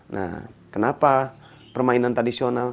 nah kenapa permainan tradisional